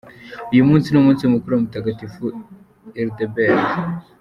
Uyu munsi ni umunsi mukuru wa Mutagatifu Hildebert.